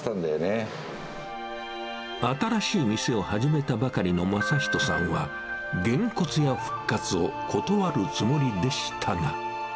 新しい店を始めたばかりの匡仁さんは、げんこつ屋復活を断るつもりでしたが。